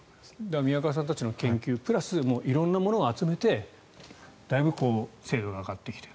宮川さんたちの研究プラス色んなものを集めてだいぶ精度が上がってきている。